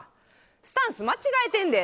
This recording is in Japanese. スタンス間違えてんで！